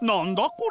これ？